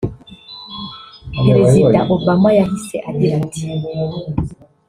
perezida Obama yahise agira ati